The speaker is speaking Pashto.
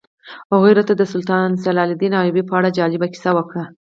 هغوی راته د سلطان صلاح الدین ایوبي په اړه جالبه کیسه وکړه.